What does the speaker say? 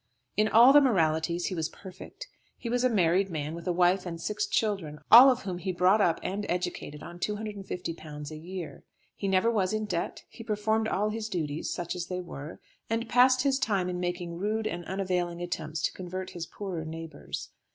In all the moralities he was perfect. He was a married man, with a wife and six children, all of whom he brought up and educated on £250 a year. He never was in debt; he performed all his duties such as they were and passed his time in making rude and unavailing attempts to convert his poorer neighbours.